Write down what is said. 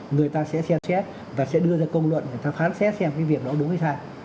người ta sẽ xem xét và sẽ đưa ra công luận để ta phán xét xem cái việc đó đúng hay sai